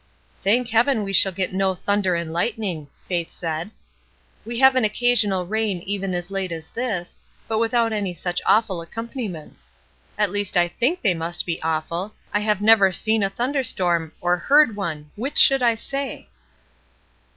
"Thank heaven we shall get no thunder and Ughtning," Faith said. "We have an occa sional rain even as late as this, but without any such awful accompaniments. At least I think they must be awful. I have never seen a thunder storm, or heard one. Which should I say?"